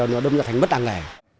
nó đông ra thành mất đáng nghề